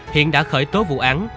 hiện đã khởi tố vụ án